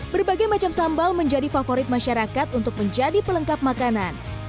berbagai macam sambal menjadi favorit masyarakat untuk menjadi pelengkap makanan